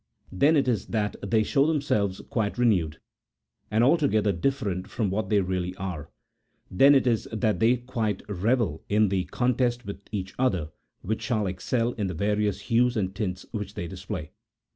Then it is that they show themselves quite renewed, and altogether different from what they really are ; then it is that they quite revel in the con test with each other which shall excel in the various hues and tints which they display.